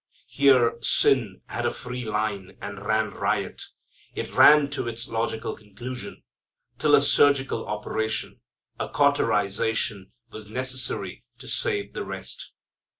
Here sin had a free line and ran riot. It ran to its logical conclusion, till a surgical operation a cauterization was necessary to save the rest.